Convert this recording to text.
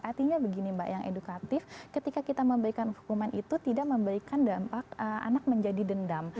artinya begini mbak yang edukatif ketika kita memberikan hukuman itu tidak memberikan dampak anak menjadi dendam